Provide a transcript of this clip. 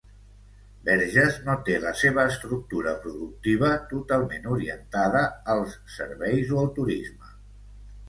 Verges no té la seva estructura productiva totalment orientada als serveis o el turisme.